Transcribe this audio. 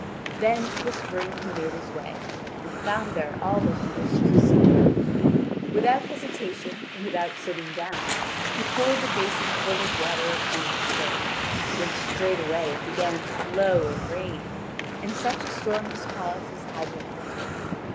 Then to the spring he made his way, and found there all that he wished to see. Without hesitation and without sitting down he poured the basin full of water upon the stone, when straightway it began to blow and rain, and such a storm was caused as had been foretold.